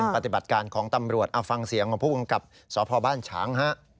เป็นปฏิบัติการของตำรวจอฟังเสียงผู้กับสพบ้านฉาง